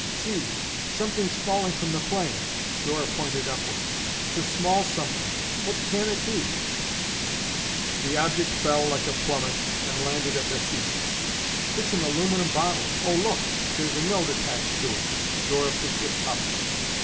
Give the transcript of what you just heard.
"See! Something's falling from the plane." Dora pointed upward. "It's a small something! What can it be?" The object fell like a plummet and landed at their feet. "It's an aluminum bottle. Oh, look! There's a note attached to it." Dora picked it up.